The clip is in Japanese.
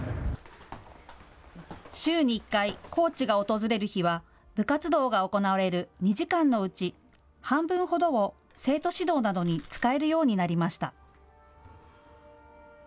週に１回、コーチが訪れる日は部活動が行われる２時間のうち半分ほどを生徒指導などに使えるようになりました。